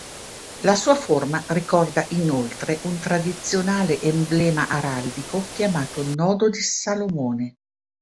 La sua forma ricorda inoltre un tradizionale emblema araldico chiamato Nodo di Salomone.